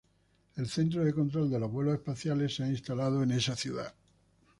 El centro de control de los vuelos espaciales se ha instalado en esta ciudad.